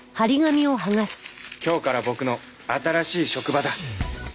今日から僕の新しい職場だ